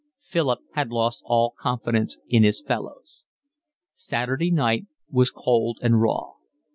Philip had lost all confidence in his fellows. Saturday night was cold and raw.